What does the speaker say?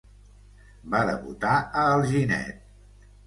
Va debutar a Alginet.